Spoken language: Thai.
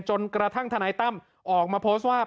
จนกระทั่งธนายตั้มออกมาโพสต์ว่า